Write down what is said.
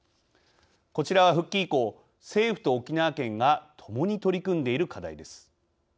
こちらは復帰以降政府と沖縄県がともに取り組んでいる課題です。